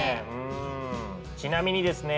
ちなみにですね